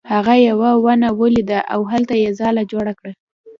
هغه یوه ونه ولیده او هلته یې ځاله جوړه کړه.